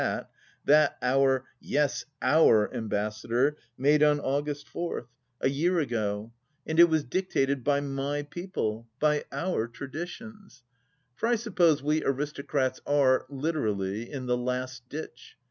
t, that our — yes Our !— ^Ambassador made on August 4th, a 14 THE LAST DITCH year ago. And it was dictated by my people: by our traditions. ... For I suppose we aristocrats are, literally, in the Last Ditch